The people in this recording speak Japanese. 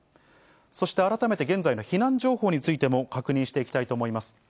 そして改めて現在の避難情報についても確認していきたいと思います。